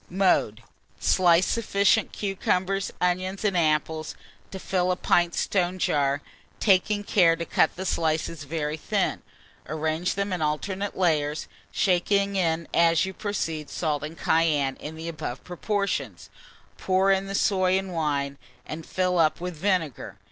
Mode. Slice sufficient cucumbers, onions, and apples to fill a pint stone jar, taking care to cut the slices very thin; arrange them in alternate layers, shaking in as you proceed salt and cayenne in the above proportion; pour in the soy and wine, and fill up with vinegar.